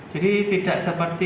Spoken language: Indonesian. jadi tidak seperti